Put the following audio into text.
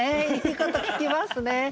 いいこと聞きますね。